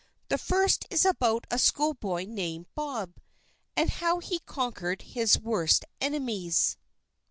The first is about a school boy named Bob, and how he conquered his worst enemies."